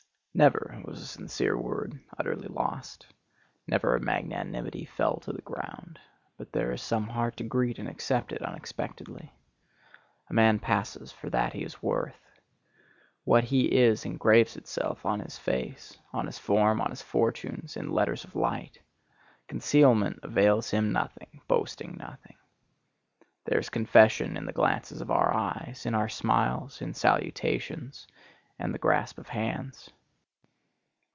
Never was a sincere word utterly lost. Never a magnanimity fell to the ground, but there is some heart to greet and accept it unexpectedly. A man passes for that he is worth. What he is engraves itself on his face, on his form, on his fortunes, in letters of light. Concealment avails him nothing, boasting nothing. There is confession in the glances of our eyes, in our smiles, in salutations, and the grasp of hands.